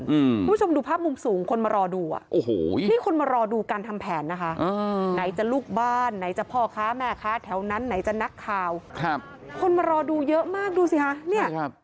คุณผู้ชมดูภาพมุมสูงคนมารอดูอ่ะโอ้โหนี่คนมารอดูการทำแผนนะคะอ่าไหนจะลูกบ้านไหนจะพ่อค้าแม่ค้าแถวนั้นไหนจะนักข่าวครับคนมารอดูเยอะมากดูสิคะเนี่ยครับ